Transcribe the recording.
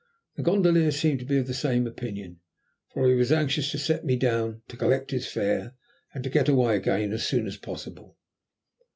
The gondolier seemed to be of the same opinion, for he was anxious to set me down, to collect his fare, and to get away again as soon as possible.